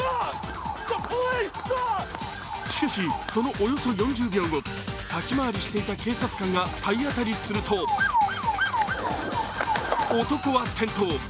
しかし、そのおよそ４０秒後、先回りしていた警察官が体当たりすると、男は転倒。